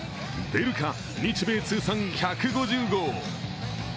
出るか、日米通算１５０号。